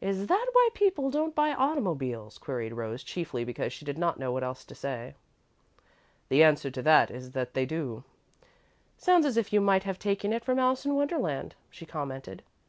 "Is that why people don't buy automobiles?" queried Rose, chiefly because she did not know what else to say. "The answer to that is that they do." "Sounds as if you might have taken it from Alice in Wonderland," she commented.